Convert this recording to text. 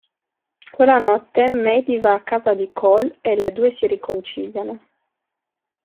Quella notte, Maddy va a casa di Cole e le due si riconciliano.